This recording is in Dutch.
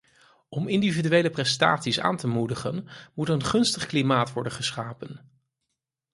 Om individuele prestaties aan te moedigen moet een gunstig klimaat worden geschapen.